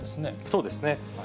そうですね。